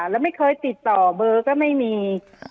แล้วไม่เคยติดต่อเบอร์ก็ไม่มี